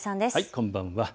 こんばんは。